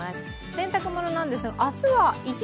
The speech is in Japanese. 洗濯物なんですが、明日は○。